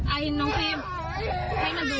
ไอ้น้องฟิมให้มันดู